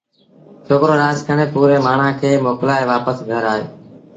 ڇوڪرو لآش کي پورآئي مآڻهآݩ کآݩ موڪلآئي وآپس گھر آيو